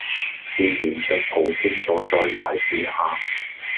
便搖著蒲扇坐在槐樹下，